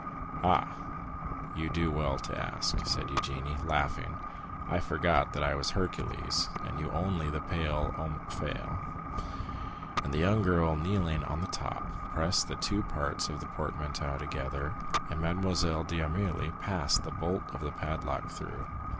"Ah, you do well to ask," said Eugénie, laughing; "I forgot that I was Hercules, and you only the pale Omphale!" And the young girl, kneeling on the top, pressed the two parts of the portmanteau together, and Mademoiselle d'Armilly passed the bolt of the padlock through.